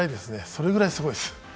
それくらいすごいです。